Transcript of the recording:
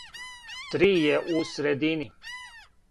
три је у средини